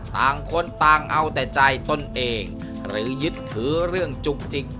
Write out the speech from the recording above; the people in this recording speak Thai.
ต่างคนต่างเอาแต่ใจตนเองหรือยึดถือเรื่องจุกจิก